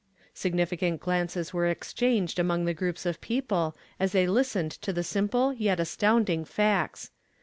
Significant glances were exchanged among the groups of people as they listened to the simple yet astounding facts.